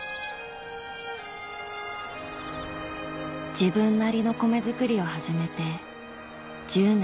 自分なりの米作りを始めて１０年